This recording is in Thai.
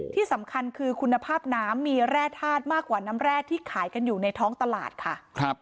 ที่สำคัญคือคุณภาพน้ำมีแร่ธาตุมากกว่าน้ำแร่ที่ขายกันอยู่ในท้องตลาดค่ะ